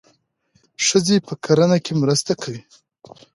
ښځې په کرنه کې مرسته کوي.